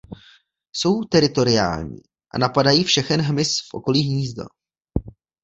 Jsou teritoriální a napadají všechen hmyz v okolí hnízda.